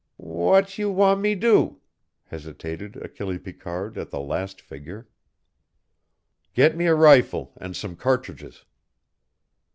"W'at you wan' me do?" hesitated Achille Picard at the last figure. "Get me a rifle and some cartridges."